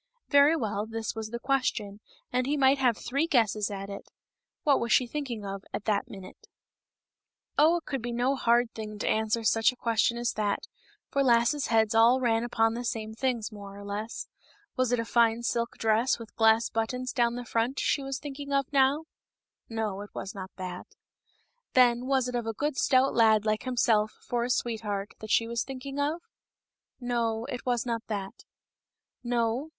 Very well, this was the question, and he might have three guesses at it ; what was she thinking of at that minute ? ^e ISrummer ^elp9 ^tm^elf to% goob t^itig^, t^oug^ noone can 300 KING STORK. Oh, It could be no hard thing to answer such a question as that, for lasses' heads all ran upon the same things more or less ; was it a fine silk dress with glass buttons down the front that she was thinking of now ? No, it was not that. Then, was it of a good stout lad like himself for a sweetheart, that she was thinking of ? No, it was not that. No